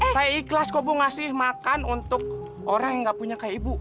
saya ikhlas kok bu ngasih makan untuk orang yang gak punya kayak ibu